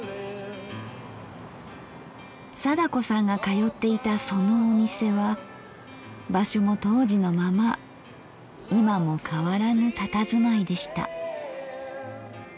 貞子さんが通っていたそのお店は場所も当時のまま今も変わらぬたたずまいでした。